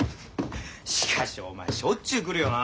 しかしお前しょっちゅう来るよな。